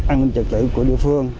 an ninh trật tự của địa phương